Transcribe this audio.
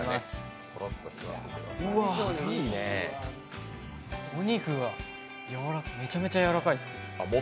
うわっお肉がめちゃめちゃ柔らかいです。